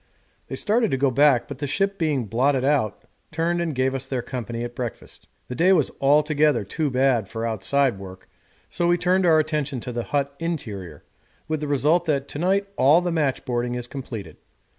They started to go back, but the ship being blotted out, turned and gave us their company at breakfast. The day was altogether too bad for outside work, so we turned our attention to the hut interior, with the result that to night all the matchboarding is completed.